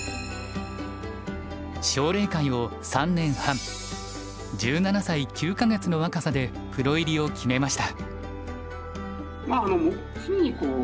奨励会を３年半１７歳９か月の若さでプロ入りを決めました。